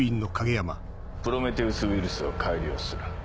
プロメテウス・ウイルスを改良する。